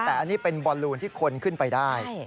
แต่อันนี้เป็นบอลลูนที่คนขึ้นไปได้